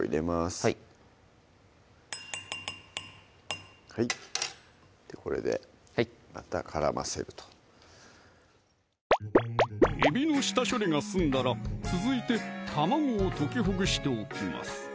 はいはいこれでまた絡ませるとえびの下処理が済んだら続いて卵を溶きほぐしておきます